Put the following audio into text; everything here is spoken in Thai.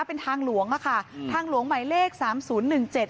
เป็นทางหลวงอ่ะค่ะอืมทางหลวงหมายเลขสามศูนย์หนึ่งเจ็ด